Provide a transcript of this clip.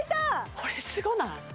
これすごない？